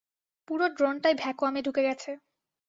পুরো ড্রোনটাই ভ্যাকুয়ামে ঢুকে গেছে।